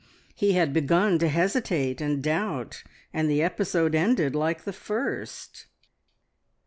He had begun to hesitate and doubt, and the episode ended like the first.